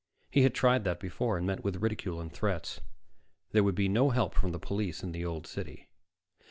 He had tried that before, and met with ridicule and threats. There would be no help from the police in the Old City.